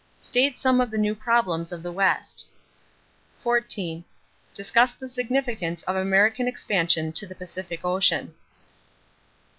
State some of the new problems of the West. 14. Discuss the significance of American expansion to the Pacific Ocean.